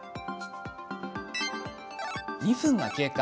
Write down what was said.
２分が経過。